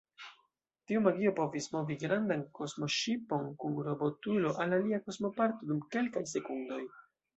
Tiu magio povis movi grandan kosmoŝipon kun robotulo al alia kosmoparto dum kelkaj sekundoj.